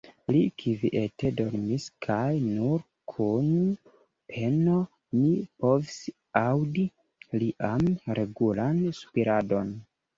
Li kviete dormis kaj nur kun peno mi povsi aŭdi lian regulan spiradon.